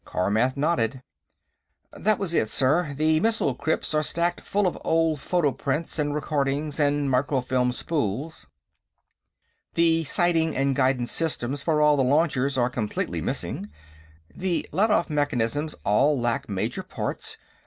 Carmath nodded. "That was it, sir. The missile crypts are stacked full of old photoprints and recording and microfilm spools. The sighting and guidance systems for all the launchers are completely missing. The letoff mechanisms all lack major parts.